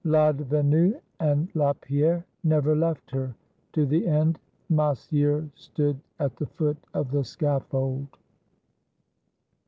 Ladvenu and La Pierre never left her; to the end Massieu stood at the foot of the scaffold.